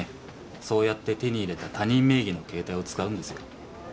そうやって手に入れた他人名義の携帯を使うんですよ。